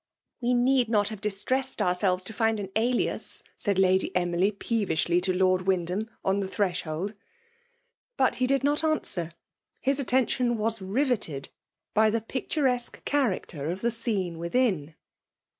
We need not have distressed ourselves to find an alias," said Lady Emily, peevishly to Lord Wyitdhsm^ on the thresbold. But hie did not aiuKwer. His attention was meted hgr the picturesque character of the scene within.